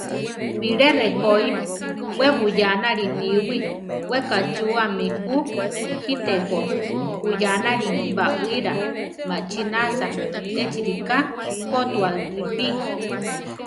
Bilé rejói, we buyánali níwi, we kachúami ju; gítego, buyánari baʼwira maʼchinasa echi rika jótua ripí.